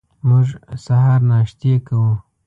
موږ سهار ناشتې کوو.